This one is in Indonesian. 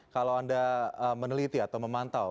kalau anda meneliti atau memantau